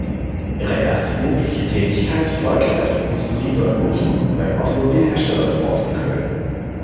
Ihre erste berufliche Tätigkeit folgte als Industrie-Dolmetscherin beim Automobilhersteller Ford in Köln.